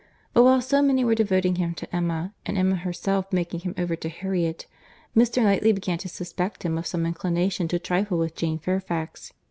But while so many were devoting him to Emma, and Emma herself making him over to Harriet, Mr. Knightley began to suspect him of some inclination to trifle with Jane Fairfax.